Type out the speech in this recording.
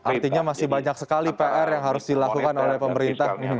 artinya masih banyak sekali pr yang harus dilakukan oleh pemerintah